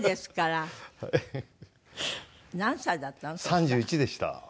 ３１でした。